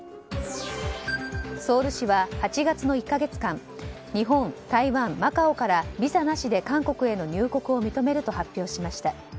ソウル市は、８月の１か月間日本、台湾、マカオからビザなしで韓国への入国を認めると発表しました。